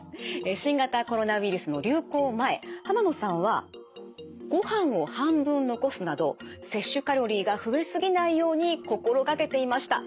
新型コロナウイルスの流行前濱野さんはご飯を半分残すなど摂取カロリーが増えすぎないように心がけていました。